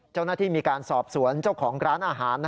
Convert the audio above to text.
เจ้าหน้าที่มีการสอบสวนเจ้าของร้านอาหาร